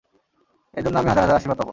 এর জন্য আমি হাজার হাজার আশীর্বাদ পাব।